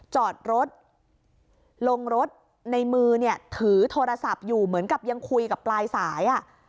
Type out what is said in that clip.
จอดรถลงรถในมือเนี่ยถือโทรศัพท์อยู่เหมือนกับยังคุยกับปลายสาย